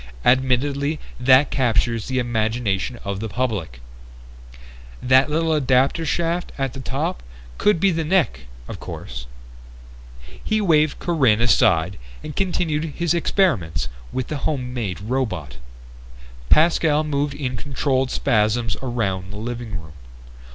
Admittedly that captures the imagination of the public. That little adapter shaft at the top could be the neck, of course...." He waved Corinne aside and continued his experiments with the home made robot. Pascal moved in controlled spasms around the living room.